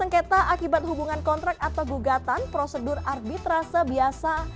sengketa akibat hubungan kontrak atau gugatan prosedur arbitrase biasa